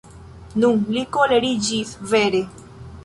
Nun li koleriĝis vere.